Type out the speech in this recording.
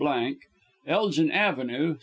Elgin Avenue, S.